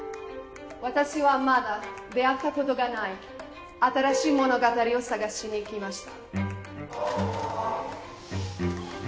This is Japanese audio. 私はまだ出会ったことがない新しい物語を探しに来ました。